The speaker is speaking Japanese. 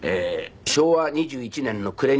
昭和２１年の暮れにね